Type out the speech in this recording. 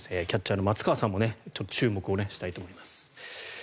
キャッチャーの松川さんもちょっと注目をしたいと思います。